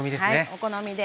お好みで。